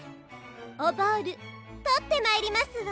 おボールとってまいりますわ。